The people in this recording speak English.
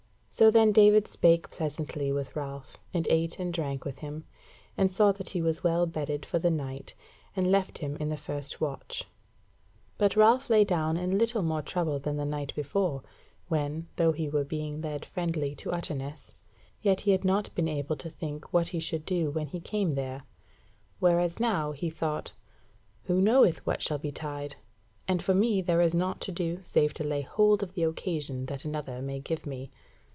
So then David spake pleasantly with Ralph, and ate and drank with him, and saw that he was well bedded for the night, and left him in the first watch. But Ralph lay down in little more trouble than the night before, when, though he were being led friendly to Utterness, yet he had not been able to think what he should do when he came there: whereas now he thought: Who knoweth what shall betide? and for me there is nought to do save to lay hold of the occasion that another may give me.